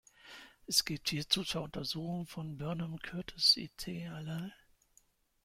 Es gibt hierzu zwar Untersuchungen von Burnham-Curtis et al.